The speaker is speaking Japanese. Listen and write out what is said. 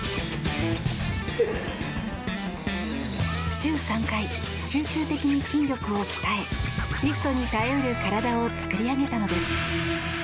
週３回、集中的に筋力を鍛えリフトに耐え得る体を作り上げたのです。